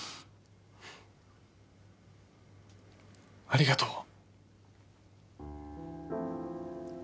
ありがとう。